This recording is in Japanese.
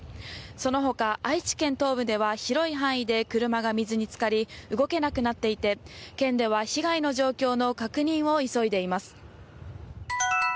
そのほか愛知県東部では広い範囲で車が水につかり動けなくなっていて県では被害の状況の確認を急いでいます。